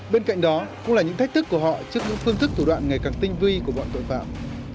bên cạnh đó cũng là những thách thức của họ trước những phương thức thủ đoạn ngày càng tinh vi của bọn tội phạm